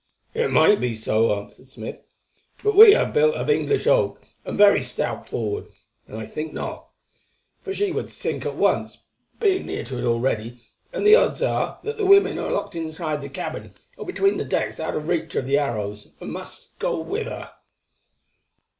"It might be so," answered Smith; "but we are built of English oak, and very stout forward, and I think not. But she would sink at once, being near to it already, and the odds are that the women are locked in the cabin or between decks out of reach of the arrows, and must go with her."